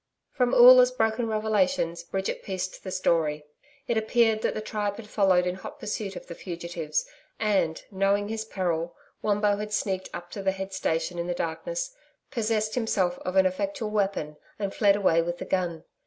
From Oola's broken revelations Bridget pieced the story. It appeared that the tribe had followed in hot pursuit of the fugitives, and, knowing his peril, Wombo had sneaked up to the head station in the darkness, possessed himself of an effectual weapon, and fled away with the gun.